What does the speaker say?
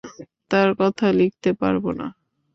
তাঁর কথা লিখতে পারব না।